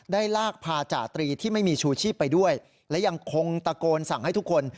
ได้ลากพาจาตรีที่ไม่มีชูชีพไปด้วยและยังคงตะโกนสั่งให้ทุกคน